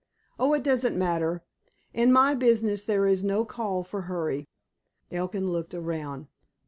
"Oh, it doesn't matter. In my business there is no call for hurry." Elkin looked around.